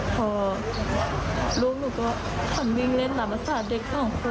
พอรุมหนูก็ทำวิ่งเล่นตามสาดเด็กของขวัด